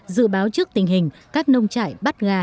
dự báo trước tình hình các nông trại bắt gà